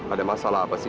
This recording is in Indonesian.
ada masalah apa sih